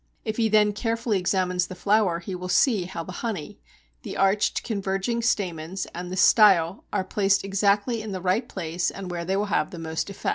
If he then carefully examines the flower, he will see how the honey, the arched converging stamens, and the style, are placed exactly in the right place and where they will have the most effect.